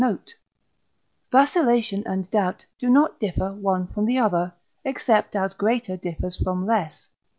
note); vacillation and doubt do not differ one from the other, except as greater differs from less.